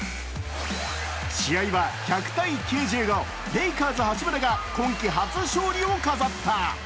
試合は１００−９５、レイカーズ・八村が今季初勝利を飾った。